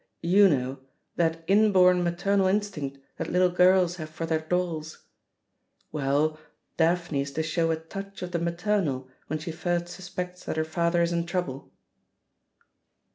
You know — that inborn maternal in stinct that little girls have for their dolls I Well, Daphne is to show a touch of the maternal when she first suspects that her father is in trouble."